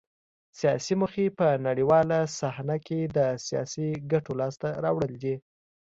سیاسي موخې په نړیواله صحنه کې د سیاسي ګټو لاسته راوړل دي